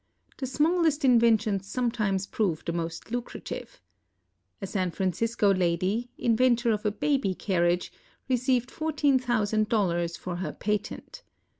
The smallest inventions sometimes prove the most lucrative. A San Francisco lady, inventor of a baby carriage, received fourteen thousand dollars for her patent.